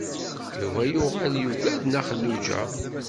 Yuba yuɣal yugad Nna Xelluǧa.